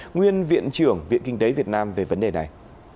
nguyên viện trưởng viện kinh tế việt nam về vấn đề này